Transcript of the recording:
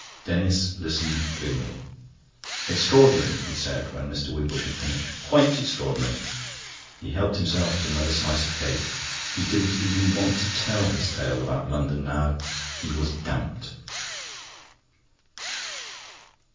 Denis listened gloomily. "Extraordinary!" he said, when Mr. Wimbush had finished; "quite extraordinary!" He helped himself to another slice of cake. He didn't even want to tell his tale about London now; he was damped.